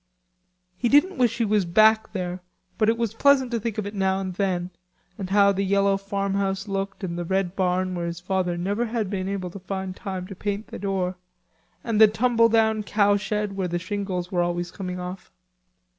He didn't wish he was back there, but it was pleasant to think of it now and then, and how the yellow farmhouse looked and the red barn where his father never had been able to find time to paint the door, and the tumble down cowshed where the shingles were always coming off.